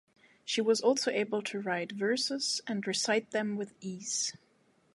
She was also able to write verses and recite them with ease.